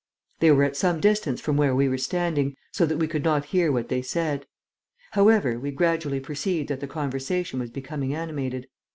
They were at some distance from where we were standing, so that we could not hear what they said. However, we gradually perceived that the conversation was becoming animated.